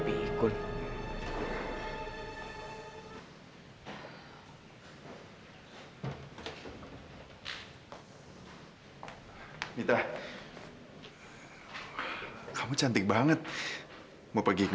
tidak ada di sini